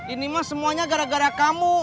ini mah semuanya gara gara kamu